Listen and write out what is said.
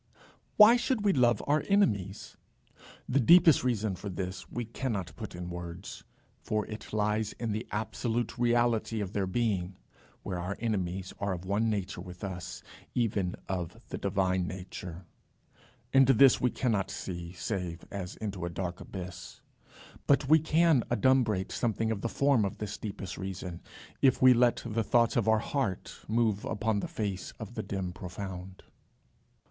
Why should we love our enemies? The deepest reason for this we cannot put in words, for it lies in the absolute reality of their being, where our enemies are of one nature with us, even of the divine nature. Into this we cannot see, save as into a dark abyss. But we can adumbrate something of the form of this deepest reason, if we let the thoughts of our heart move upon the face of the dim profound.